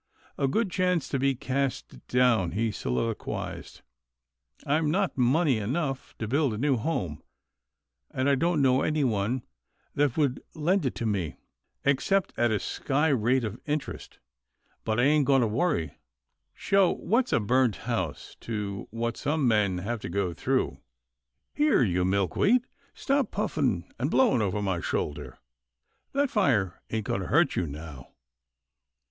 " A good chance to be cast down," he soliloquized. " I've not money enough to build a new house, and I don't know 252 'TILDA JANE'S ORPHANS anyone that would lend it to me, except at a sky rate of interest, but I ain't going to worry. Sho !— what's a burnt house to what some men have to go through — Here you Milkweed, stop puffing and blowing over my shoulder. That fire ain't going to hurt you now.